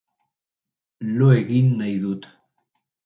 Lo egin nahi dut